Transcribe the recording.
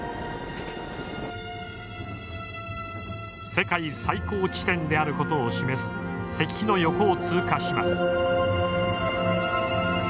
世界最高地点であることを示す石碑の横を通過します。